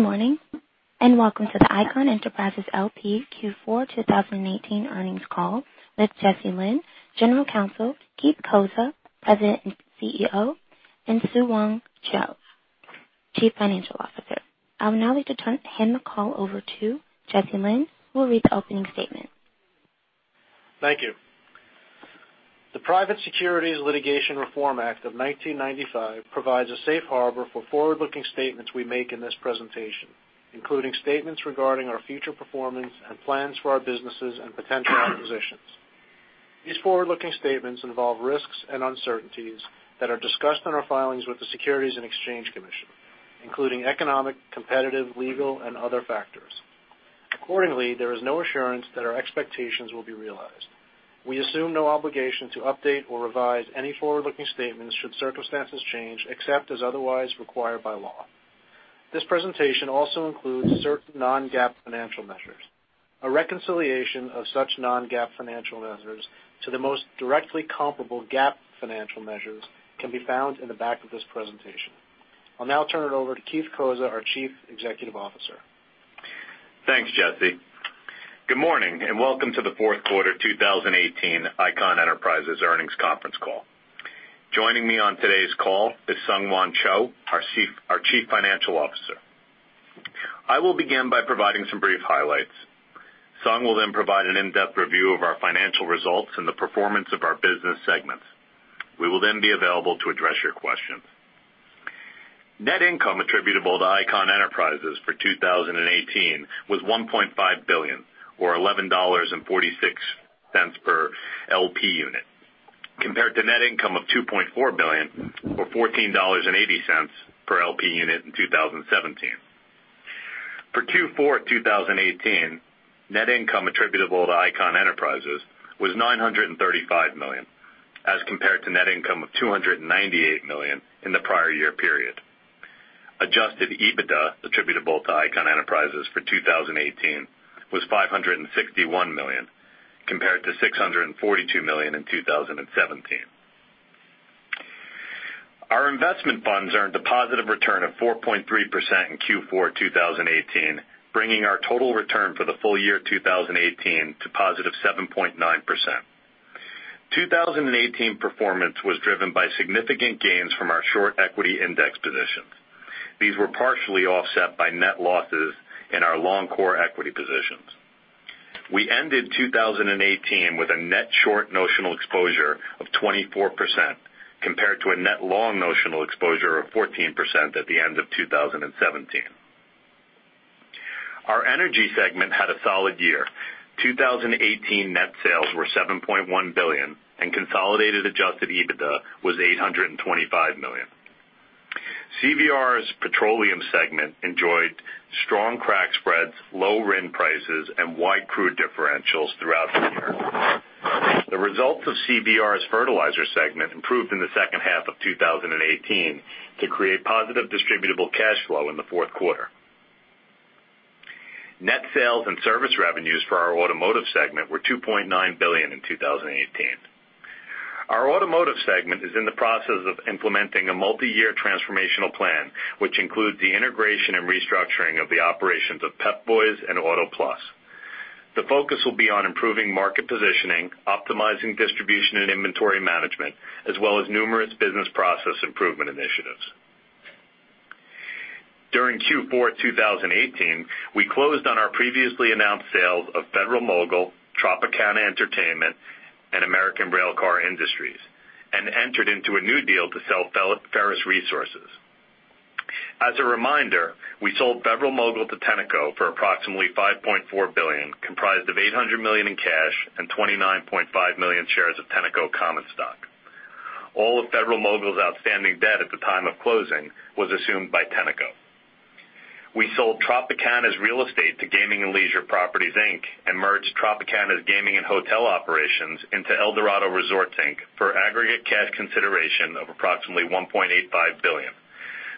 Welcome to the Icahn Enterprises L.P. Q4 2018 earnings call with Jesse Lynn, General Counsel, Keith Cozza, President and CEO, and SungHwan Cho, Chief Financial Officer. I would now like to hand the call over to Jesse Lynn, who will read the opening statement. Thank you. The Private Securities Litigation Reform Act of 1995 provides a safe harbor for forward-looking statements we make in this presentation, including statements regarding our future performance and plans for our businesses and potential acquisitions. These forward-looking statements involve risks and uncertainties that are discussed in our filings with the Securities and Exchange Commission, including economic, competitive, legal, and other factors. Accordingly, there is no assurance that our expectations will be realized. We assume no obligation to update or revise any forward-looking statements should circumstances change, except as otherwise required by law. This presentation also includes certain non-GAAP financial measures. A reconciliation of such non-GAAP financial measures to the most directly comparable GAAP financial measures can be found in the back of this presentation. I'll now turn it over to Keith Cozza, our Chief Executive Officer. Thanks, Jesse. Welcome to the fourth quarter 2018 Icahn Enterprises earnings conference call. Joining me on today's call is SungHwan Cho, our Chief Financial Officer. I will begin by providing some brief highlights. Sung will then provide an in-depth review of our financial results and the performance of our business segments. We will then be available to address your questions. Net income attributable to Icahn Enterprises for 2018 was $1.5 billion, or $11.46 per LP unit, compared to net income of $2.4 billion or $14.80 per LP unit in 2017. For Q4 2018, net income attributable to Icahn Enterprises was $935 million, as compared to net income of $298 million in the prior year period. Adjusted EBITDA attributable to Icahn Enterprises for 2018 was $561 million, compared to $642 million in 2017. Our investment funds earned a positive return of 4.3% in Q4 2018, bringing our total return for the full year 2018 to positive 7.9%. 2018 performance was driven by significant gains from our short equity index positions. These were partially offset by net losses in our long core equity positions. We ended 2018 with a net short notional exposure of 24%, compared to a net long notional exposure of 14% at the end of 2017. Our energy segment had a solid year. 2018 net sales were $7.1 billion, and consolidated adjusted EBITDA was $825 million. CVR's petroleum segment enjoyed strong crack spreads, low RIN prices, and wide crude differentials throughout the year. The results of CVR's fertilizer segment improved in the second half of 2018 to create positive distributable cash flow in the fourth quarter. Net sales and service revenues for our automotive segment were $2.9 billion in 2018. Our automotive segment is in the process of implementing a multi-year transformational plan, which includes the integration and restructuring of the operations of Pep Boys and Auto Plus. The focus will be on improving market positioning, optimizing distribution and inventory management, as well as numerous business process improvement initiatives. During Q4 2018, we closed on our previously announced sales of Federal-Mogul, Tropicana Entertainment, and American Railcar Industries, and entered into a new deal to sell Ferrous Resources. As a reminder, we sold Federal-Mogul to Tenneco for approximately $5.4 billion, comprised of $800 million in cash and 29.5 million shares of Tenneco common stock. All of Federal-Mogul's outstanding debt at the time of closing was assumed by Tenneco. We sold Tropicana's real estate to Gaming and Leisure Properties, Inc., and merged Tropicana's gaming and hotel operations into Eldorado Resorts, Inc. for aggregate cash consideration of approximately $1.85 billion.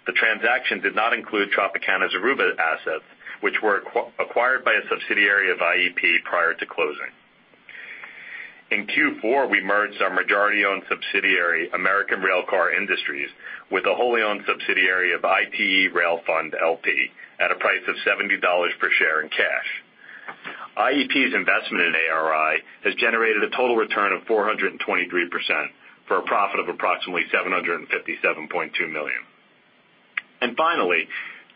The transaction did not include Tropicana's Aruba assets, which were acquired by a subsidiary of IEP prior to closing. In Q4, we merged our majority-owned subsidiary, American Railcar Industries, with a wholly-owned subsidiary of ITE Rail Fund L.P. at a price of $70 per share in cash. IEP's investment in ARI has generated a total return of 423% for a profit of approximately $757.2 million. Finally,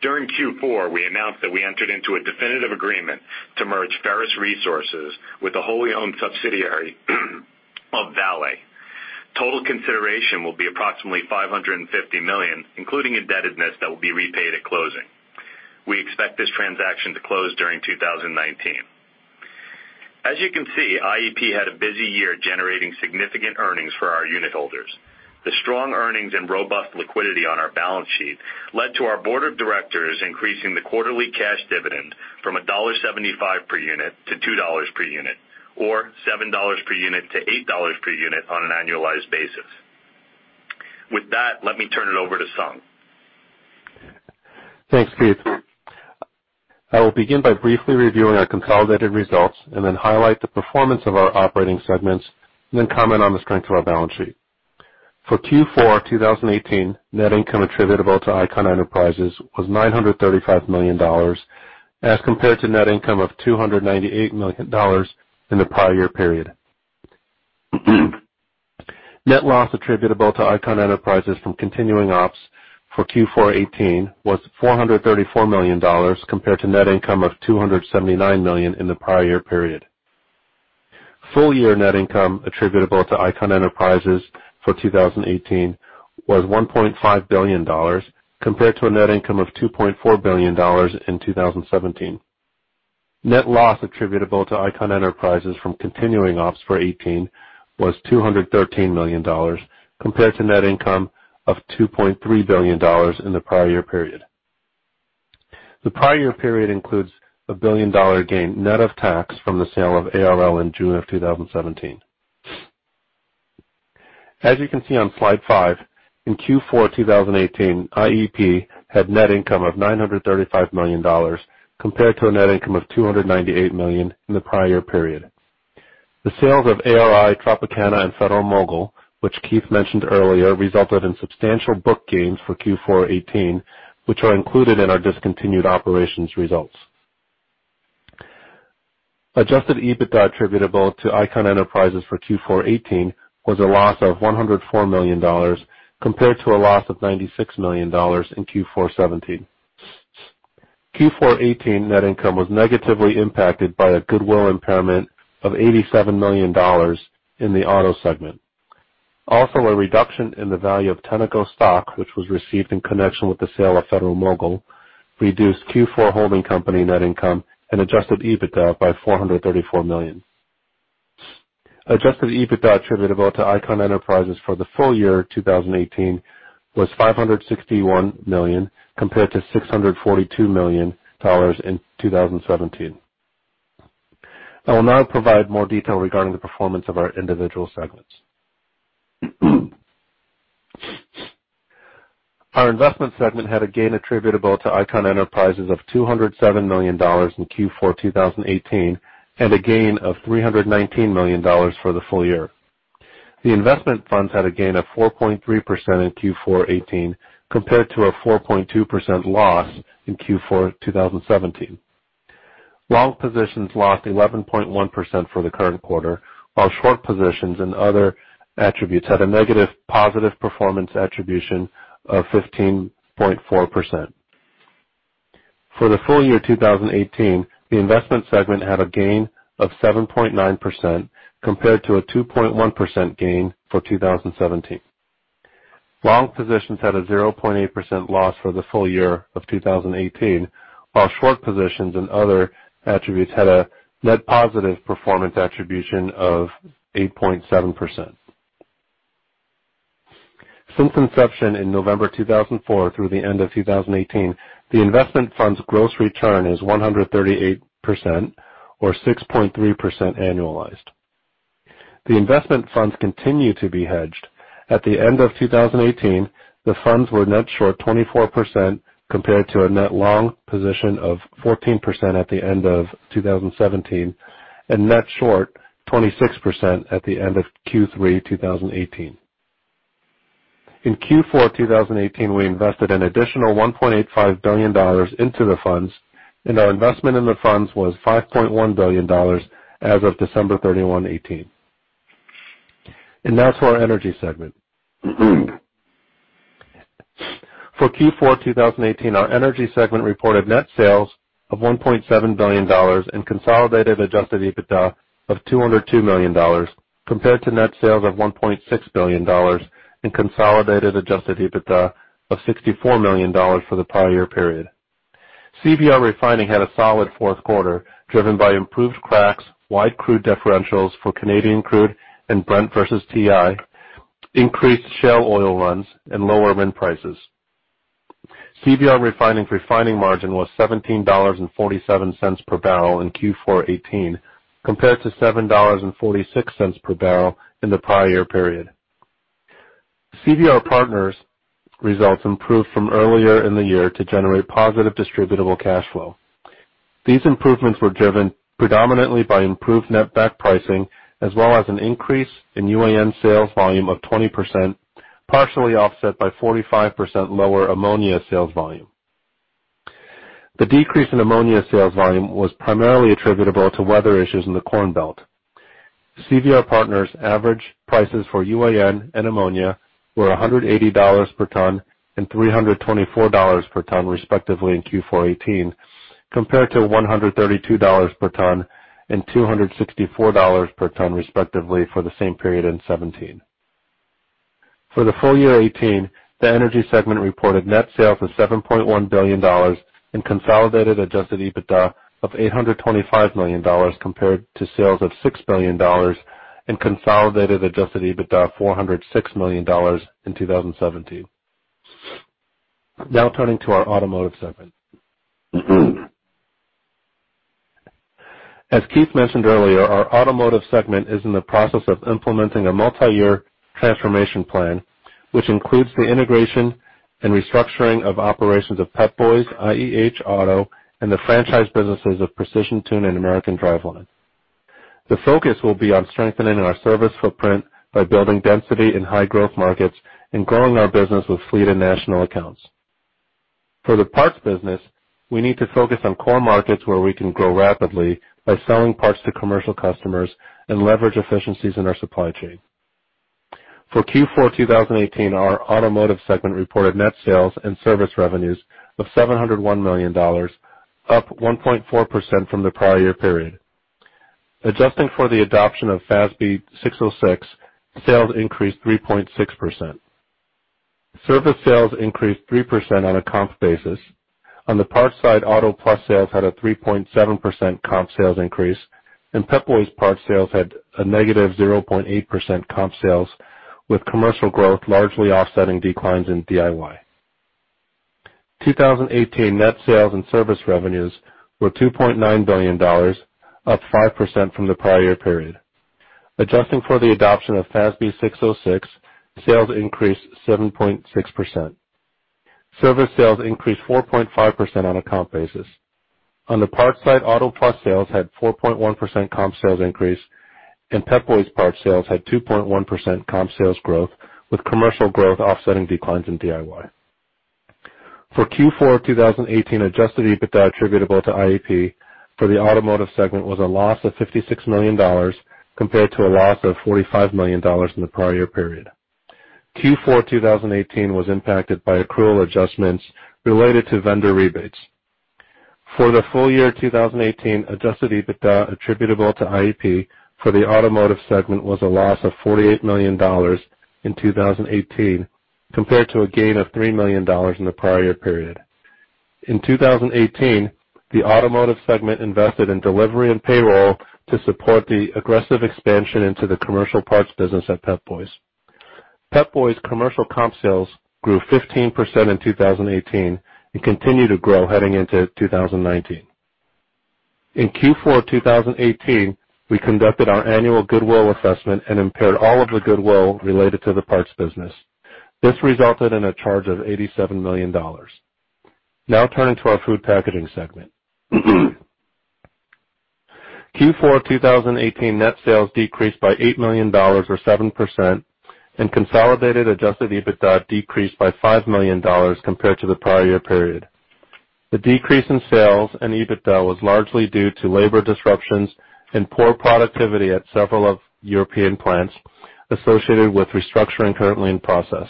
during Q4, we announced that we entered into a definitive agreement to merge Ferrous Resources with a wholly-owned subsidiary of Vale. Total consideration will be approximately $550 million, including indebtedness that will be repaid at closing. We expect this transaction to close during 2019. As you can see, IEP had a busy year generating significant earnings for our unit holders. The strong earnings and robust liquidity on our balance sheet led to our board of directors increasing the quarterly cash dividend from $1.75 per unit to $2 per unit, or $7 per unit to $8 per unit on an annualized basis. With that, let me turn it over to Sung. Thanks, Keith. I will begin by briefly reviewing our consolidated results and then highlight the performance of our operating segments, and then comment on the strength of our balance sheet. For Q4 2018, net income attributable to Icahn Enterprises was $935 million as compared to net income of $298 million in the prior year period. Net loss attributable to Icahn Enterprises from continuing ops for Q4 2018 was $434 million compared to net income of $279 million in the prior year period. Full year net income attributable to Icahn Enterprises for 2018 was $1.5 billion, compared to a net income of $2.4 billion in 2017. Net loss attributable to Icahn Enterprises from continuing ops for 2018 was $213 million compared to net income of $2.3 billion in the prior year period. The prior year period includes a billion-dollar gain net of tax from the sale of ARL in June of 2017. As you can see on slide five, in Q4 2018, IEP had net income of $935 million compared to a net income of $298 million in the prior period. The sales of ARI, Tropicana and Federal-Mogul, which Keith mentioned earlier, resulted in substantial book gains for Q4 2018, which are included in our discontinued operations results. Adjusted EBITDA attributable to Icahn Enterprises for Q4 2018 was a loss of $104 million compared to a loss of $96 million in Q4 2017. Q4 2018 net income was negatively impacted by a goodwill impairment of $87 million in the auto segment. Also, a reduction in the value of Tenneco stock, which was received in connection with the sale of Federal-Mogul, reduced Q4 holding company net income and adjusted EBITDA up by $434 million. Adjusted EBITDA attributable to Icahn Enterprises for the full year 2018 was $561 million compared to $642 million in 2017. I will now provide more detail regarding the performance of our individual segments. Our investment segment had a gain attributable to Icahn Enterprises of $207 million in Q4 2018, and a gain of $319 million for the full year. The investment funds had a gain of 4.3% in Q4 2018 compared to a 4.2% loss in Q4 2017. Long positions lost 11.1% for the current quarter, while short positions and other attributes had a negative positive performance attribution of 15.4%. For the full year 2018, the investment segment had a gain of 7.9% compared to a 2.1% gain for 2017. Long positions had a 0.8% loss for the full year of 2018, while short positions and other attributes had a net positive performance attribution of 8.7%. Since inception in November 2004 through the end of 2018, the investment fund's gross return is 138% or 6.3% annualized. The investment funds continue to be hedged. At the end of 2018, the funds were net short 24%, compared to a net long position of 14% at the end of 2017, and net short 26% at the end of Q3 2018. In Q4 2018, we invested an additional $1.85 billion into the funds, and our investment in the funds was $5.1 billion as of December 31, 2018. Now to our energy segment. For Q4 2018, our energy segment reported net sales of $1.7 billion and consolidated adjusted EBITDA of $202 million, compared to net sales of $1.6 billion and consolidated adjusted EBITDA of $64 million for the prior year period. CVR Refining had a solid fourth quarter, driven by improved cracks, wide crude differentials for Canadian crude and Brent versus WTI, increased shale oil runs, and lower RIN prices. CVR Refining's refining margin was $17.47 per barrel in Q4 2018 compared to $7.46 per barrel in the prior year period. CVR Partners results improved from earlier in the year to generate positive distributable cash flow. These improvements were driven predominantly by improved net back pricing, as well as an increase in UAN sales volume of 20%, partially offset by 45% lower ammonia sales volume. The decrease in ammonia sales volume was primarily attributable to weather issues in the Corn Belt. CVR Partners' average prices for UAN and ammonia were $180 per ton and $324 per ton respectively in Q4 2018, compared to $132 per ton and $264 per ton respectively for the same period in 2017. For the full year 2018, the energy segment reported net sales of $7.1 billion and consolidated adjusted EBITDA of $825 million compared to sales of $6 billion and consolidated adjusted EBITDA of $406 million in 2017. Turning to our automotive segment. As Keith mentioned earlier, our automotive segment is in the process of implementing a multi-year transformation plan, which includes the integration and restructuring of operations of Pep Boys, IEH Auto, and the franchise businesses of Precision Tune and American Driveline Systems. The focus will be on strengthening our service footprint by building density in high growth markets and growing our business with fleet and national accounts. For the parts business, we need to focus on core markets where we can grow rapidly by selling parts to commercial customers and leverage efficiencies in our supply chain. For Q4 2018, our automotive segment reported net sales and service revenues of $701 million, up 1.4% from the prior year period. Adjusting for the adoption of ASC 606, sales increased 3.6%. Service sales increased 3% on a comp basis. On the parts side, Auto Plus sales had a 3.7% comp sales increase, and Pep Boys parts sales had a negative 0.8% comp sales, with commercial growth largely offsetting declines in DIY. 2018 net sales and service revenues were $2.9 billion, up 5% from the prior year period. Adjusting for the adoption of ASC 606, sales increased 7.6%. Service sales increased 4.5% on a comp basis. On the parts side, Auto Plus sales had 4.1% comp sales increase, and Pep Boys parts sales had 2.1% comp sales growth, with commercial growth offsetting declines in DIY. For Q4 2018, adjusted EBITDA attributable to IEP for the automotive segment was a loss of $56 million, compared to a loss of $45 million in the prior year period. Q4 2018 was impacted by accrual adjustments related to vendor rebates. For the full year 2018, adjusted EBITDA attributable to IEP for the automotive segment was a loss of $48 million in 2018, compared to a gain of $3 million in the prior year period. In 2018, the automotive segment invested in delivery and payroll to support the aggressive expansion into the commercial parts business at Pep Boys. Pep Boys commercial comp sales grew 15% in 2018 and continue to grow heading into 2019. In Q4 2018, we conducted our annual goodwill assessment and impaired all of the goodwill related to the parts business. This resulted in a charge of $87 million. Turning to our food packaging segment. Q4 2018 net sales decreased by $8 million, or 7%, and consolidated adjusted EBITDA decreased by $5 million compared to the prior year period. The decrease in sales and EBITDA was largely due to labor disruptions and poor productivity at several of European plants associated with restructuring currently in process.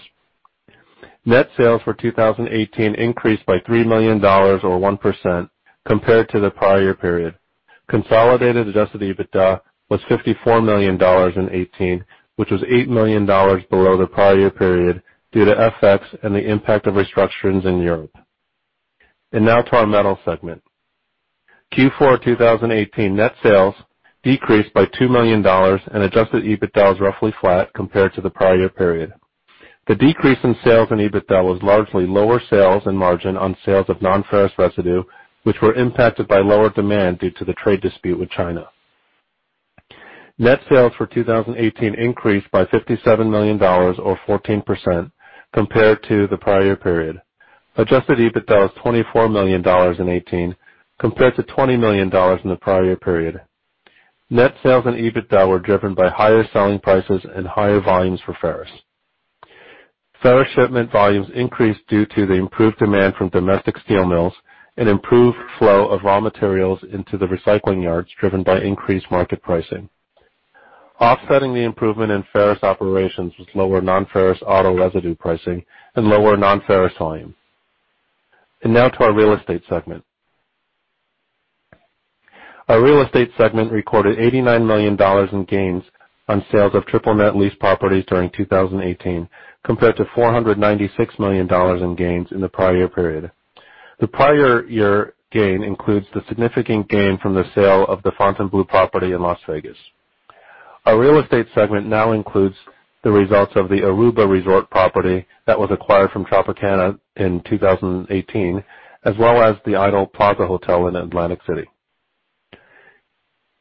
Net sales for 2018 increased by $3 million, or 1%, compared to the prior year period. Consolidated adjusted EBITDA was $54 million in 2018, which was $8 million below the prior year period due to FX and the impact of restructurings in Europe. Now to our metals segment. Q4 2018 net sales decreased by $2 million, and adjusted EBITDA was roughly flat compared to the prior year period. The decrease in sales and EBITDA was largely lower sales and margin on sales of non-ferrous residue, which were impacted by lower demand due to the trade dispute with China. Net sales for 2018 increased by $57 million, or 14%, compared to the prior year period. Adjusted EBITDA was $24 million in 2018, compared to $20 million in the prior year period. Net sales and EBITDA were driven by higher selling prices and higher volumes for ferrous. Ferrous shipment volumes increased due to the improved demand from domestic steel mills and improved flow of raw materials into the recycling yards, driven by increased market pricing. Offsetting the improvement in ferrous operations was lower non-ferrous auto residue pricing and lower non-ferrous volumes. Now to our real estate segment. Our real estate segment recorded $89 million in gains on sales of triple net lease properties during 2018, compared to $496 million in gains in the prior year period. The prior year gain includes the significant gain from the sale of the Fontainebleau property in Las Vegas. Our real estate segment now includes the results of the Aruba Resort property that was acquired from Tropicana in 2018, as well as the idle Plaza Hotel in Atlantic City.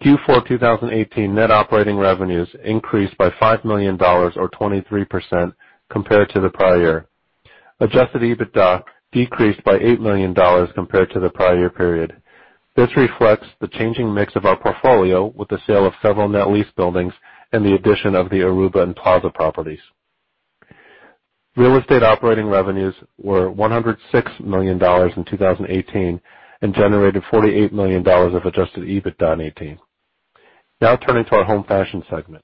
Q4 2018 net operating revenues increased by $5 million, or 23%, compared to the prior year. Adjusted EBITDA decreased by $8 million compared to the prior year period. This reflects the changing mix of our portfolio with the sale of several net lease buildings and the addition of the Aruba and Plaza properties. Real estate operating revenues were $106 million in 2018 and generated $48 million of adjusted EBITDA in 2018. Turning to our home fashion segment.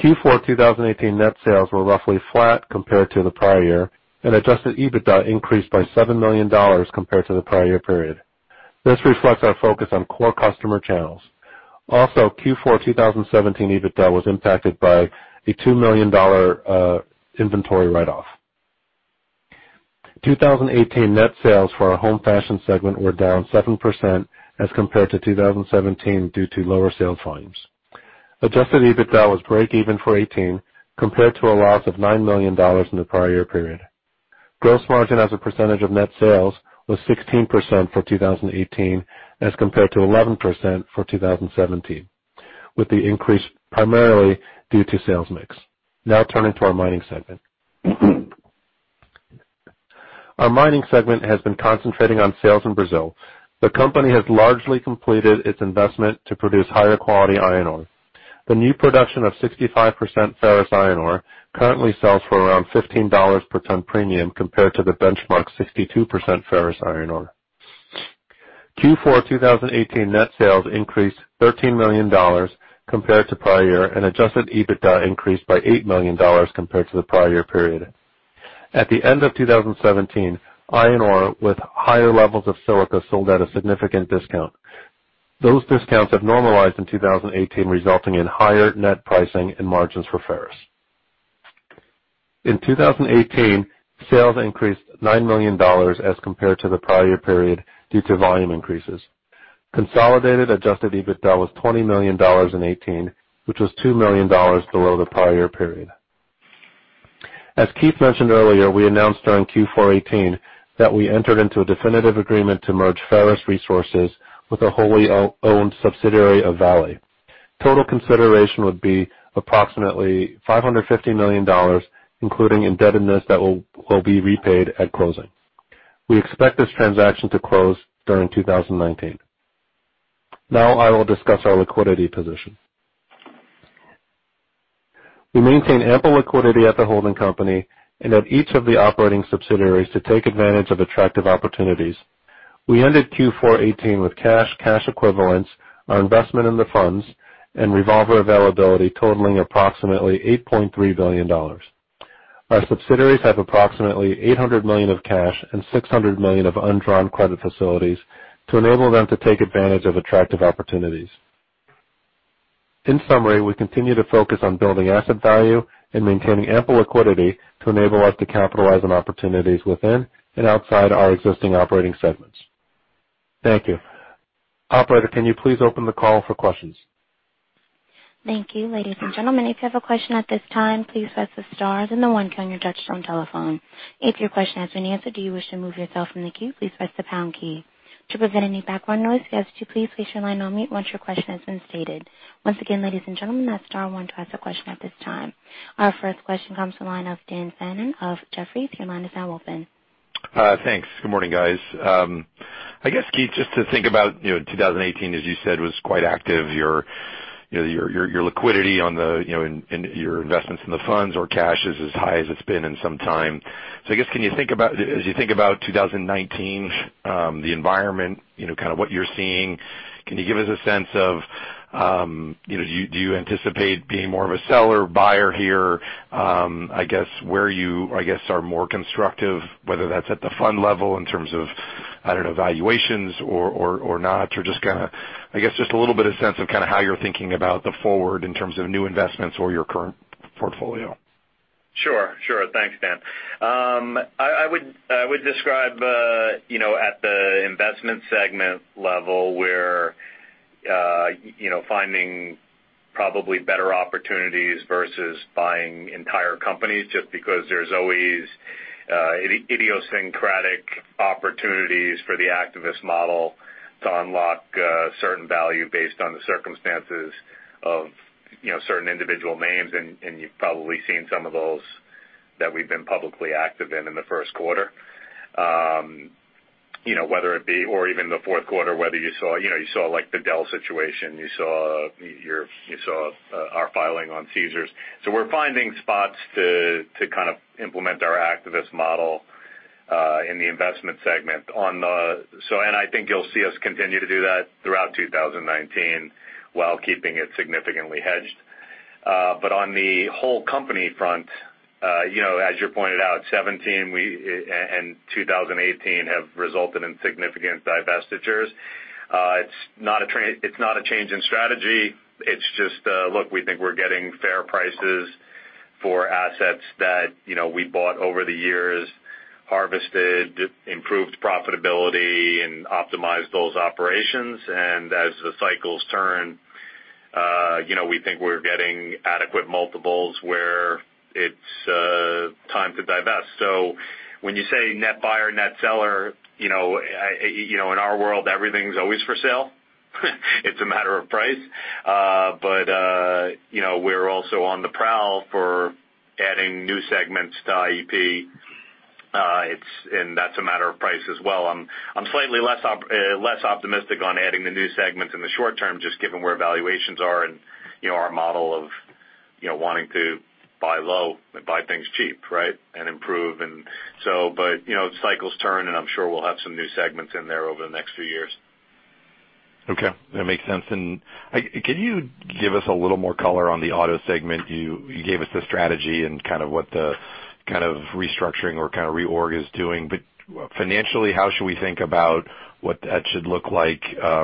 Q4 2018 net sales were roughly flat compared to the prior year, and adjusted EBITDA increased by $7 million compared to the prior year period. This reflects our focus on core customer channels. Q4 2017 EBITDA was impacted by a $2 million inventory write-off. 2018 net sales for our home fashion segment were down 7% as compared to 2017 due to lower sales volumes. Adjusted EBITDA was breakeven for 2018 compared to a loss of $9 million in the prior year period. Gross margin as a percentage of net sales was 16% for 2018 as compared to 11% for 2017, with the increase primarily due to sales mix. Turning to our mining segment. Our mining segment has been concentrating on sales in Brazil. The company has largely completed its investment to produce higher quality iron ore. The new production of 65% ferrous iron ore currently sells for around $15 per ton premium compared to the benchmark 62% ferrous iron ore. Q4 2018 net sales increased $13 million compared to prior year, and adjusted EBITDA increased by $8 million compared to the prior year period. At the end of 2017, iron ore with higher levels of silica sold at a significant discount. Those discounts have normalized in 2018, resulting in higher net pricing and margins for ferrous. In 2018, sales increased $9 million as compared to the prior year period due to volume increases. Consolidated adjusted EBITDA was $20 million in 2018, which was $2 million below the prior year period. As Keith mentioned earlier, we announced during Q4 2018 that we entered into a definitive agreement to merge Ferrous Resources with a wholly owned subsidiary of Vale. Total consideration would be approximately $550 million, including indebtedness that will be repaid at closing. We expect this transaction to close during 2019. I will discuss our liquidity position. We maintain ample liquidity at the holding company and at each of the operating subsidiaries to take advantage of attractive opportunities. We ended Q4 2018 with cash equivalents, our investment in the funds, and revolver availability totaling approximately $8.3 billion. Our subsidiaries have approximately $800 million of cash and $600 million of undrawn credit facilities to enable them to take advantage of attractive opportunities. In summary, we continue to focus on building asset value and maintaining ample liquidity to enable us to capitalize on opportunities within and outside our existing operating segments. Thank you. Operator, can you please open the call for questions? Thank you. Ladies and gentlemen, if you have a question at this time, please press the star then the one key on your touch-tone telephone. If your question has been answered, do you wish to remove yourself from the queue? Please press the pound key. To prevent any background noise, guests, you please place your line on mute once your question has been stated. Once again, ladies and gentlemen, that's star one to ask a question at this time. Our first question comes from the line of Daniel Fannon of Jefferies. Your line is now open. Thanks. Good morning, guys. Keith, just to think about 2018, as you said, was quite active. Your liquidity on your investments in the funds or cash is as high as it's been in some time. As you think about 2019, the environment, kind of what you're seeing, can you give us a sense of do you anticipate being more of a seller, buyer here? Where you are more constructive, whether that's at the fund level in terms of valuations or not, or just a little bit of sense of how you're thinking about the forward in terms of new investments or your current portfolio. Sure. Thanks, Dan. I would describe at the investment segment level, we're finding probably better opportunities versus buying entire companies just because there's always idiosyncratic opportunities for the activist model to unlock certain value based on the circumstances of certain individual names, and you've probably seen some of those that we've been publicly active in in the first quarter. Even the fourth quarter, you saw the Dell situation, you saw our filing on Caesars. We're finding spots to implement our activist model in the investment segment. I think you'll see us continue to do that throughout 2019 while keeping it significantly hedged. On the whole company front, as you pointed out, 2017 and 2018 have resulted in significant divestitures. It's not a change in strategy. It's just, look, we think we're getting fair prices for assets that we bought over the years, harvested, improved profitability, and optimized those operations. As the cycles turn we think we're getting adequate multiples where it's time to divest. When you say net buyer, net seller, in our world, everything's always for sale. It's a matter of price. We're also on the prowl for adding new segments to IEP, and that's a matter of price as well. I'm slightly less optimistic on adding the new segments in the short term, just given where valuations are and our model of wanting to buy low and buy things cheap, and improve. Cycles turn, and I'm sure we'll have some new segments in there over the next few years. Okay. That makes sense. Can you give us a little more color on the auto segment? You gave us the strategy and what the restructuring or reorg is doing. Financially, how should we think about what that should look like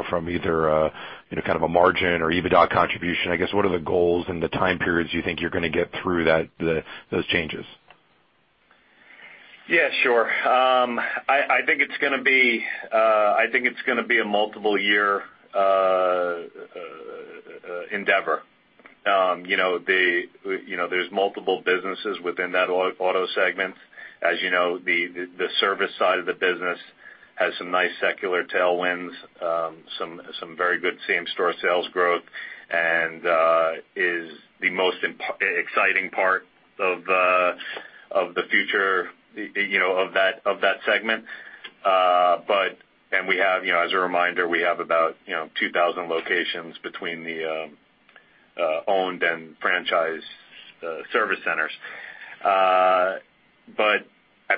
from either a margin or EBITDA contribution? I guess what are the goals and the time periods you think you're going to get through those changes? Yeah, sure. I think it's going to be a multiple year endeavor. There's multiple businesses within that auto segment. As you know, the service side of the business Has some nice secular tailwinds, some very good same-store sales growth, and is the most exciting part of the future of that segment. As a reminder, we have about 2,000 locations between the owned and franchise service centers.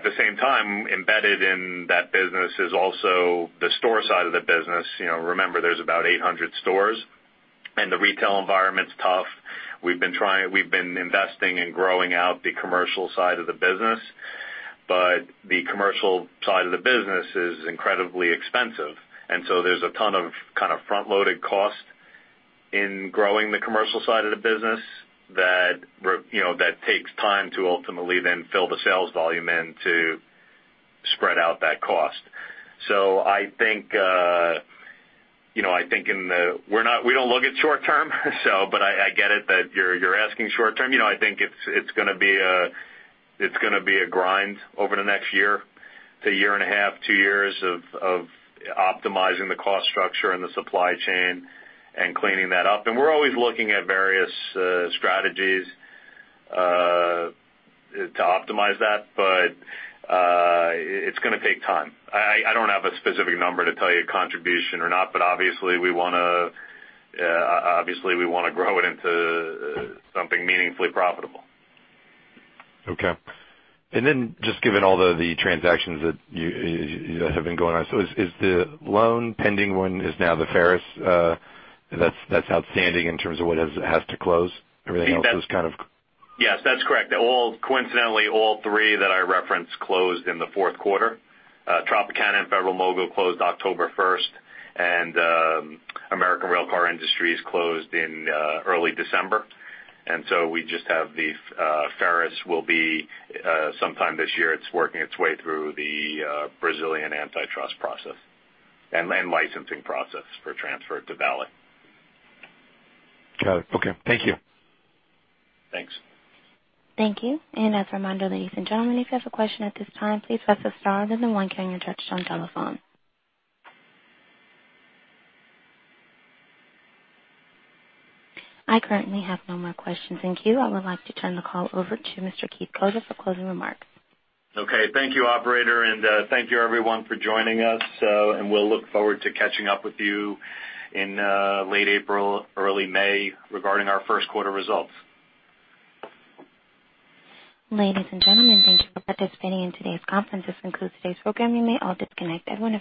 At the same time, embedded in that business is also the store side of the business. Remember, there's about 800 stores, and the retail environment's tough. We've been investing in growing out the commercial side of the business, but the commercial side of the business is incredibly expensive. There's a ton of front-loaded cost in growing the commercial side of the business that takes time to ultimately then fill the sales volume in to spread out that cost. I think we don't look at short term, but I get it that you're asking short term. I think it's going to be a grind over the next year to year and a half, two years of optimizing the cost structure and the supply chain and cleaning that up. We're always looking at various strategies to optimize that, but it's going to take time. I don't have a specific number to tell you contribution or not, but obviously we want to grow it into something meaningfully profitable. Okay. Just given all the transactions that have been going on, is the loan pending one is now the Ferrous that's outstanding in terms of what has to close? Everything else is kind of- Yes, that's correct. Coincidentally, all three that I referenced closed in the fourth quarter. Tropicana and Federal-Mogul closed October 1st, and American Railcar Industries closed in early December. We just have the Ferrous will be sometime this year. It's working its way through the Brazilian antitrust process and licensing process for transfer to Vale. Got it. Okay. Thank you. Thanks. Thank you. As a reminder, ladies and gentlemen, if you have a question at this time, please press star then the one key on your touchtone telephone. I currently have no more questions in queue. I would like to turn the call over to Mr. Keith Cozza for closing remarks. Okay. Thank you, operator, thank you everyone for joining us, we'll look forward to catching up with you in late April, early May regarding our first quarter results. Ladies and gentlemen, thank you for participating in today's conference. This concludes today's program. You may all disconnect at one time.